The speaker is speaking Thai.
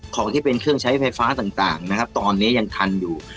ของที่เป็นเครื่องใช้ไฟฟ้าต่างนะครับตอนนี้ยังทันอยู่